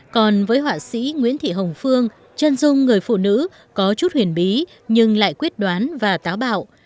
còn với họa sĩ nguyễn thị hồng phương chân dung người phụ nữ có chút huyền bí nhưng lại quyết đoán và táo bạo